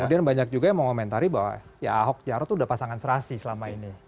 kemudian banyak juga yang mengomentari bahwa ya ahok jarot itu udah pasangan serasi selama ini